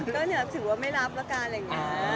แตกว่า๘อาทิตย์